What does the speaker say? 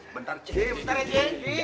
bentar ji bentar aja ji